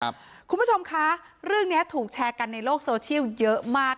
คุณผู้ชมคะเรื่องนี้ถูกแชร์กันในโลกโซเชียลเยอะมาก